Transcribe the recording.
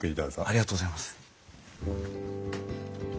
ありがとうございます。